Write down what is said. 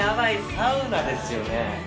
サウナですよね？